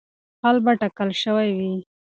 حل به ټاکل شوی وي.